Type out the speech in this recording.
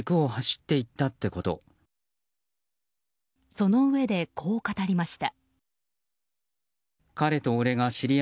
そのうえで、こう語りました。